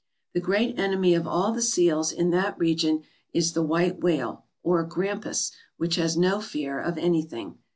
The great enemy of all the seals in that region is the white whale, or grampus, which has no fear of anything.